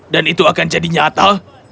dan itu akan jadi nyata